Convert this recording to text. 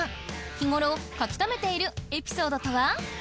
日頃書き留めているエピソードとは？